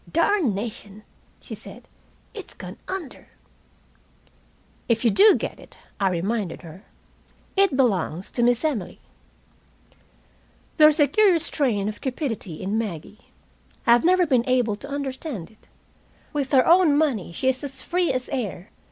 "Darnation!" she said, "it's gone under!" "If you do get it," I reminded her, "it belongs to Miss Emily." There is a curious strain of cupidity in Maggie. I have never been able to understand it. With her own money she is as free as air.